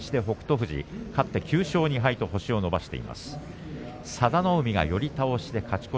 富士が勝って９勝２敗と星を伸ばしました。